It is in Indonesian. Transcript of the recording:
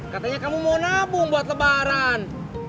katanya kamu mau nabung buat lebaran